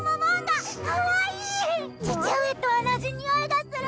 父上と同じにおいがする！